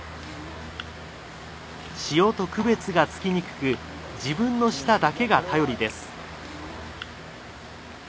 塩と区別がつきにくく自分の舌だけが頼りです。